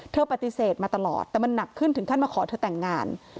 ปฏิเสธมาตลอดแต่มันหนักขึ้นถึงขั้นมาขอเธอแต่งงาน